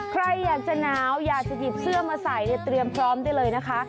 ใครอยากจะหนาวอยากจะหยิบเสื้อมาใส่เนี่ยเตรียมพร้อมได้เลยนะคะ